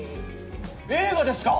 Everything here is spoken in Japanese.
映画ですか！？